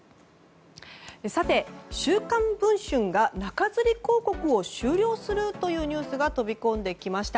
「週刊文春」が中づり広告を終了するというニュースが飛び込んできました。